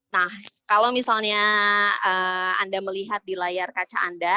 nah kalau misalnya anda melihat di layar kaca anda